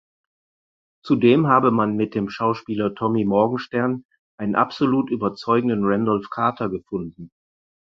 Zudem habe man mit dem Schauspieler Tommy Morgenstern „einen absolut überzeugenden Randolph Carter“ gefunden.